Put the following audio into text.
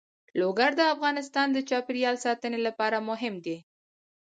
لوگر د افغانستان د چاپیریال ساتنې لپاره مهم دي.